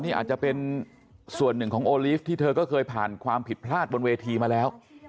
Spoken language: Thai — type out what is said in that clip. นี่อาจจะเป็นส่วนหนึ่งของโอลีฟที่เธอก็เคยผ่านความผิดพลาดบนเวทีมาแล้ว